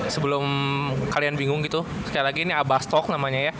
sebelum kalian bingung gitu sekali lagi ini abah stok namanya ya